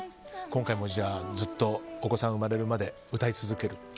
今回もずっとお子さんが生まれるまで歌い続ける？